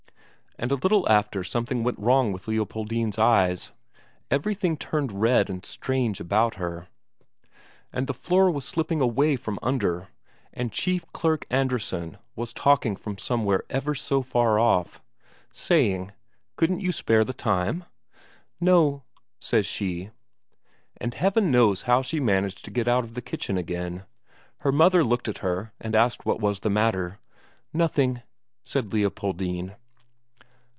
And a little after something went wrong with Leopoldine's eyes; everything turned red and strange about her, and the floor was slipping away from under, and Chief Clerk Andresen was talking from somewhere ever so far off. Saying: "Couldn't you spare the time?" "No," says she. And Heaven knows how she managed to get out of the kitchen again. Her mother looked at her and asked what was the matter. "Nothing," said Leopoldine.